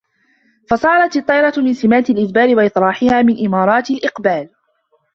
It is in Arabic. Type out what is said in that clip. فَصَارَتْ الطِّيَرَةُ مِنْ سِمَاتِ الْإِدْبَارِ وَاطِّرَاحُهَا مِنْ إمَارَاتِ الْإِقْبَالِ